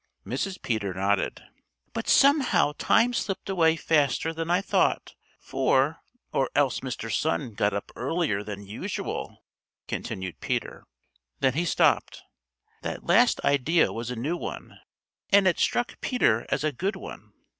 Mrs. Peter nodded. "But somehow time slipped away faster than I thought for, or else Mr. Sun got up earlier than usual," continued Peter. Then he stopped. That last idea was a new one, and it struck Peter as a good one.